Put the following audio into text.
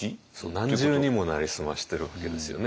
何重にも成り済ましてるわけですよね。